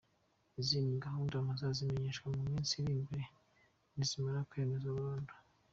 Izindi gahunda muzazimenyeshwa mu minsi iri imbere nizimara kwemezwa burundu.